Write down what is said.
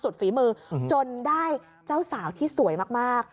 ฝีมือจนได้เจ้าสาวที่สวยมาก